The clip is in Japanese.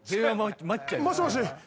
もしもし？